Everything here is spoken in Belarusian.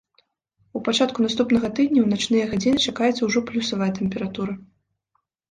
У пачатку наступнага тыдня ў начныя гадзіны чакаецца ўжо плюсавая тэмпература.